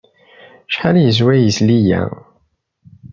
Acḥal ay yeswa yisili-a?